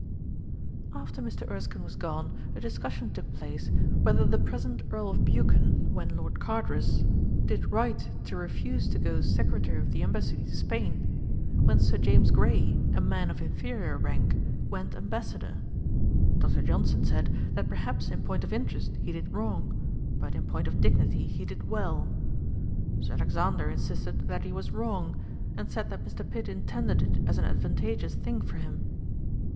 After Mr. Erskine was gone, a discussion took place, whether the present Earl of Buchan, when Lord Cardross, did right to refuse to go Secretary of the Embassy to Spain, when Sir James Gray, a man of inferiour rank, went Ambassadour. Dr. Johnson said, that perhaps in point of interest he did wrong; but in point of dignity he did well. Sir Alexander insisted that he was wrong; and said that Mr. Pitt intended it as an advantageous thing for him.